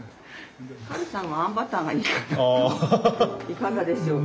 いかがでしょうか。